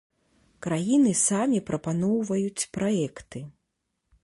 Краіны самі прапаноўваюць праекты.